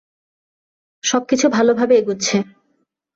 সবকিছু ভালভাবে এগুচ্ছে।